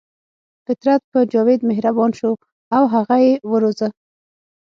فطرت په جاوید مهربان شو او هغه یې وروزه